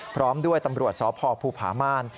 พร้อมด้วยตำรวจสพภูผาม่าน